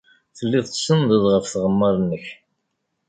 Telliḍ tsenndeḍ ɣef tɣemmar-nnek.